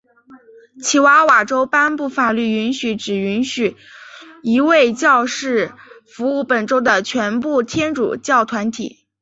奇瓦瓦州颁布法律允许只允许一位教士服务本州的全部天主教团体。